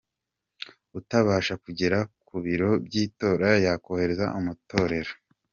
Utabasha kugera ku biro by’itora yakohereza umutorera ?